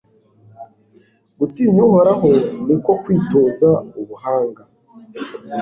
gutinya uhoraho ni ko kwitoza ubuhanga